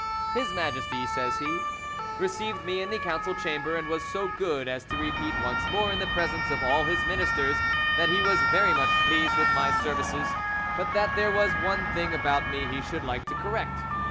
"His Majesty," says he, "received me in the council chamber, and was so good as to repeat once more in the presence of all his ministers that he was very much pleased with my services, but that there was one thing about me he should like to correct.